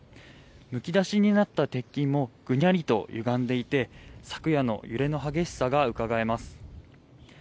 むき出しになった鉄筋もぐにゃりと歪んでいて昨夜の揺れの激しさがうかがえます。